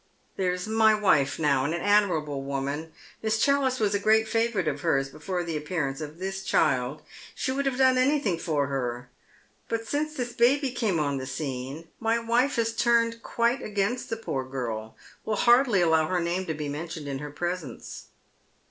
There is my w ife now, an admirable woman ; Miss Challice was a great favourite of hers before the appearance of this child ; she would have done anything for her ; but since this baby came on the scene my wife has quite turned against the poor girl, will hardly allow her name to be mentioned in her presence."